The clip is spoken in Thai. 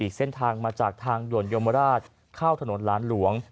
เส้นทางมาจากทางด่วนยมราชเข้าถนนหลานหลวง